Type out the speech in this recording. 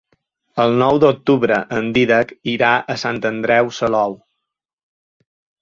El nou d'octubre en Dídac irà a Sant Andreu Salou.